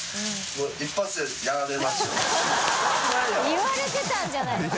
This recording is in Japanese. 言われてたんじゃないですか。